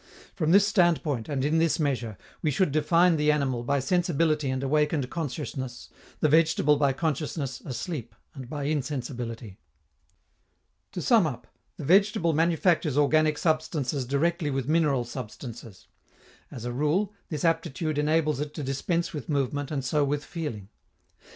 From this standpoint, and in this measure, we should define the animal by sensibility and awakened consciousness, the vegetable by consciousness asleep and by insensibility. To sum up, the vegetable manufactures organic substances directly with mineral substances; as a rule, this aptitude enables it to dispense with movement and so with feeling.